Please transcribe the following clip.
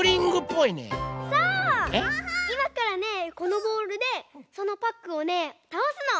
いまからねこのボールでそのパックをねたおすの！